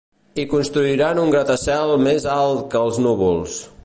Hi construiran un gratacel més alt que els núvols.